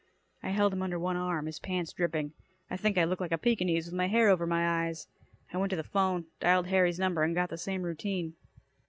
I held him under one arm, his pants dripping. I think I looked like a Pekinese, with my hair over my eyes. I went to the 'phone, dialed Harry's number, and got the same routine.